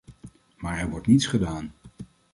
Maar er wordt niets gedaan.